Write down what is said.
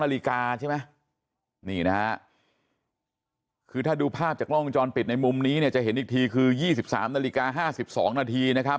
นาฬิกาใช่ไหมนี่นะฮะคือถ้าดูภาพจากกล้องวงจรปิดในมุมนี้เนี่ยจะเห็นอีกทีคือ๒๓นาฬิกา๕๒นาทีนะครับ